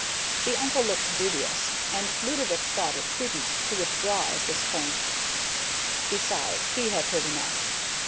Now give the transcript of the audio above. The uncle looked dubious, and Ludovick thought it prudent to withdraw at this point. Besides, he had heard enough.